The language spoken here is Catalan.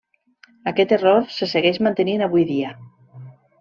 Aquest error se segueix mantenint avui dia.